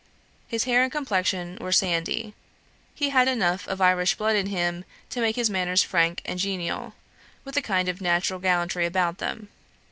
His hair and complexion were sandy. He had enough of Irish blood in him to make his manners frank and genial, with a kind of natural gallantry about them.